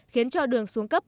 khiến cho đường xuống cấp